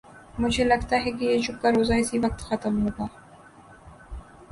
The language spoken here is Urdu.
مجھے لگتا ہے کہ یہ چپ کا روزہ اسی وقت ختم ہو گا۔